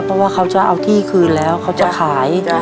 เพราะว่าเขาจะเอาที่คืนแล้วเขาจะขาย